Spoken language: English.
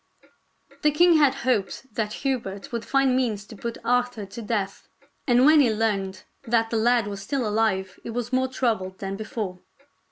Ill The king had hoped that Hubert would find means to put Arthur to death, and when he learned that the lad was still alive he was more troubled than be fore.